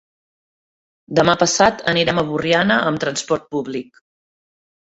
Demà passat anirem a Borriana amb transport públic.